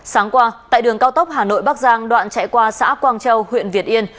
sáng qua tại đường cao tốc hà nội bắc giang đoạn chạy qua xã quang châu huyện việt yên